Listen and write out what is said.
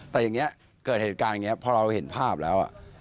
แต่อย่างนี้เกิดเหตุการณ์อย่างนี้พอเราเห็นภาพแล้ว